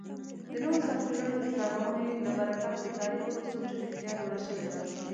د نوو سافټویرونو د کارونې له برکت د کاري پروسو چټکتیا لوړه شوې ده.